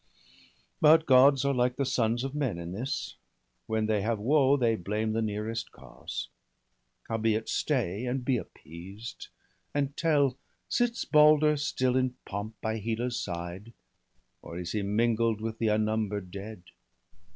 But Gods are Hke the sons of men in this — When they have woe, they blame the nearest cause. Howbeit stay, and be appeased ! and tell : Sits Balder still in pomp by Hela's side. Or is he mingled with the unnumber'd dead?'